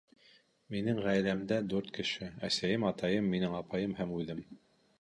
Минең ғаиләмдә дүрт кеше: әсәйем, атайым, минең апайым һәм үҙем